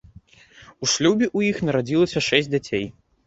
У шлюбе ў іх нарадзілася шэсць дзяцей.